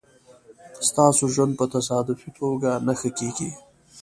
ستاسو ژوند په تصادفي توګه نه ښه کېږي.